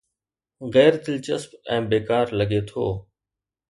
غير دلچسپ ۽ بيڪار لڳي ٿو